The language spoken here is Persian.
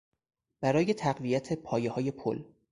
برای تقویت پایههای پل